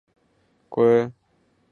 期间苏格兰归属有波动。